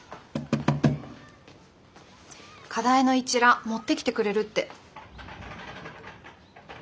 課題の一覧持ってきてくれるって。